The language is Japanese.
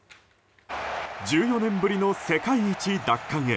１４年ぶりの世界一奪還へ。